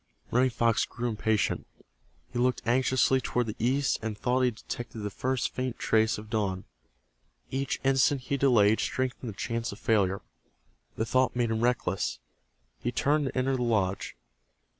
Running Fox grew impatient. He looked anxiously toward the east and thought he detected the first faint trace of dawn. Each instant he delayed strengthened the chance of failure. The thought made him reckless. He turned to enter the lodge.